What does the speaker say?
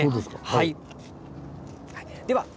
はい。